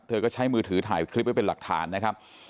เธอก็ใช้มือถือถ่ายคลิปไว้เป็นหลักฐานนะครับ